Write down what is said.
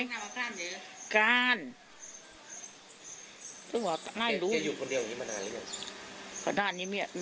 มันกล้านอยู่หรือเปล่ากล้าน